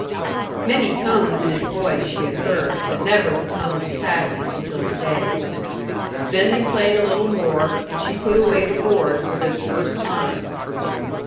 Many tones in his voice she had heard, but never the tone of sadness until to day. Then they played a little more, and she put away the board for this first time.